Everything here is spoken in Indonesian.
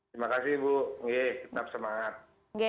terima kasih bu tetap semangat